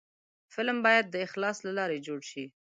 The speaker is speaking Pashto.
فلم باید د اخلاص له لارې جوړ شي